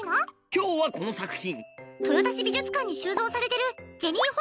今日はこの作品！